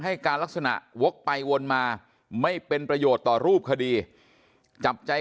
ให้การลักษณะวกไปวนมาไม่เป็นประโยชน์ต่อรูปคดีจับใจ